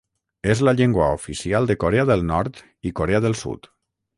És la llengua oficial de Corea del Nord i Corea del Sud.